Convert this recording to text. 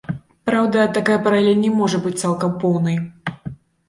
Праўда, такая паралель не можа быць цалкам поўнай.